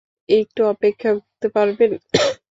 একটু অপেক্ষা করতে পারবেন?